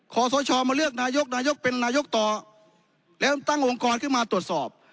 ขอสชมาเลือกนายกนายกเป็นนายกต่อแล้วตั้งองค์กรขึ้นมาตรวจสอบ